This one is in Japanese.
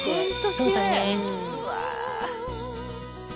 そうだね。